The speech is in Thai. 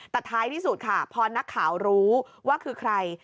แต่ท้ายที่สุดค่ะพอนักข่าวรู้ว่าคือใคร